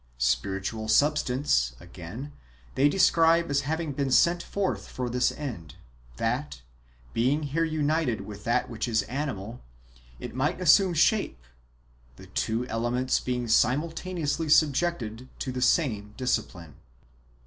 Spiritual substance, again, they describe as having been sent forth for this end, that, being here united with that which is animal, it might assume shape, the two elements being simultaneously subjected to the same disciphne.